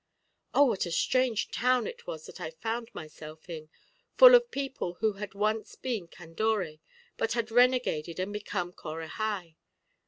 "Oh, what a strange town it was that I found myself in, full of people who had once been Candoré, but had renegaded and become Corahai!